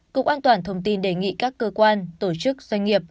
cục an toàn thông tin đề nghị các cơ quan tổ chức doanh nghiệp